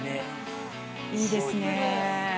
いいですね。